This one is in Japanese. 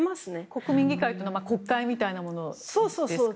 国民議会というのは国会みたいなものですか。